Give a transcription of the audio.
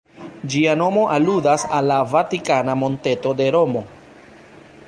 Ĝia nomo aludas al la Vatikana monteto de Romo.